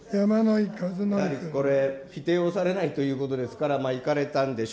これ、否定をされないということですから、行かれたんでしょう。